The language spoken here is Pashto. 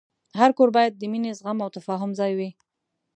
هر کور باید د مینې، زغم، او تفاهم ځای وي.